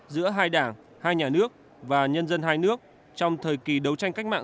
giữa hai đảng hai nhà nước và nhân dân hai nước trong thời kỳ đấu tranh cách mạng